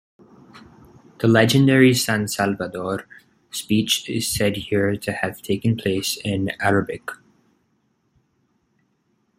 The legendary San Salvador speech is said here to have taken place in Arabic.